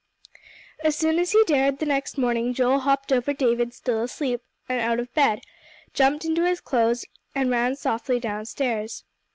As soon as he dared the next morning, Joel hopped over David still asleep, and out of bed; jumped into his clothes, and ran softly downstairs.